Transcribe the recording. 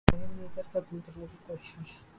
زہر دے کر قتل کرنے کی کوشش کی گئی